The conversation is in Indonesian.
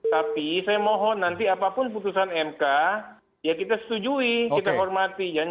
tapi saya mohon nanti apapun putusan mk ya kita setujui kita hormati